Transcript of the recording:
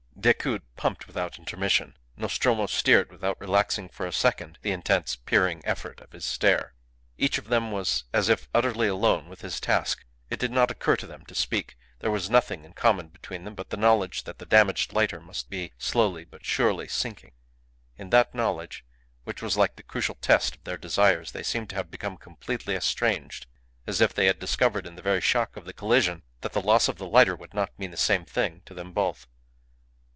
Decoud pumped without intermission. Nostromo steered without relaxing for a second the intense, peering effort of his stare. Each of them was as if utterly alone with his task. It did not occur to them to speak. There was nothing in common between them but the knowledge that the damaged lighter must be slowly but surely sinking. In that knowledge, which was like the crucial test of their desires, they seemed to have become completely estranged, as if they had discovered in the very shock of the collision that the loss of the lighter would not mean the same thing to them both.